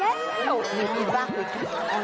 มีบ้างอยู่ทุกคน